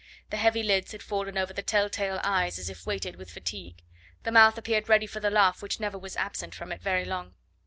The heavy lids had fallen over the tell tale eyes as if weighted with fatigue, the mouth appeared ready for the laugh which never was absent from it very long.